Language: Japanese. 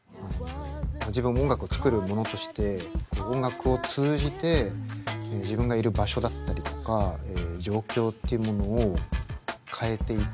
自分音楽を作る者として音楽を通じて自分がいる場所だったりとか状況っていうものを変えていく。